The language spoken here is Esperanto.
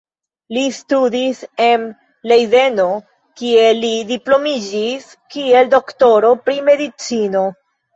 Li studis en Lejdeno kie li diplomiĝis kiel doktoro pri medicino.